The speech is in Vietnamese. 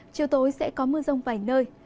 chiều tối sẽ có mưa rông vài nơi